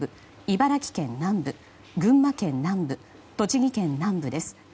茨城県南部群馬県南部、栃木県南部です。